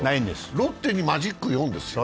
ロッテにマジック４です。